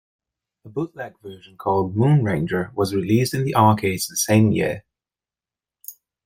A bootleg version called "Moon Ranger" was released in the arcades the same year.